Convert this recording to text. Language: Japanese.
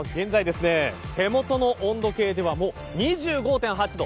現在、手元の温度計では２５．８度。